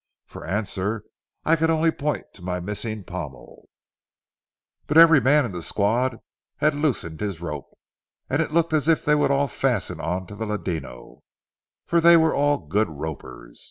For answer I could only point to my missing pommel; but every man in the squad had loosened his rope, and it looked as if they would all fasten on to the ladino, for they were all good ropers.